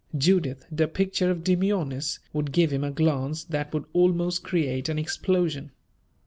Judith, the picture of demureness, would give him a glance that would almost create an explosion.